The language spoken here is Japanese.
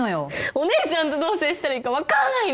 お姉ちゃんとどう接したらいいか分かんないの！